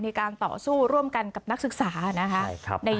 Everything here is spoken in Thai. ในการต่อสู้ร่วมกันกับนักศึกษานะคะ